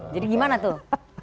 jadi gimana tuh